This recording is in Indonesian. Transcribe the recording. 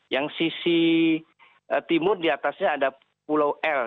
yang sisi timur di atasnya ada pulau l